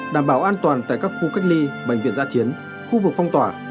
đảm bảo an toàn tại các khu cách ly bệnh viện gia chiến khu vực phong tỏa